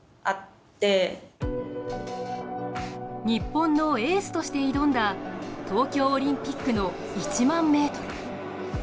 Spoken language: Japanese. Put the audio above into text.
日本のエースとして挑んだ東京オリンピックの１００００ｍ。